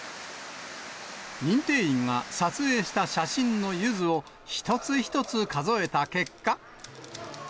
認定員が、撮影した写真のゆずを一つ一つ数えた結果。